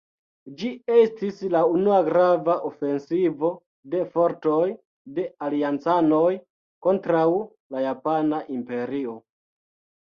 Ĝi estis la unua grava ofensivo de fortoj de Aliancanoj kontraŭ la Japana Imperio.